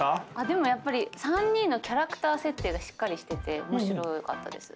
でもやっぱり３人のキャラクター設定がしっかりしてて面白かったです。